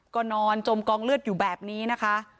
ก็นอนจมกองเลือดอยู่แบบนี้นะคะ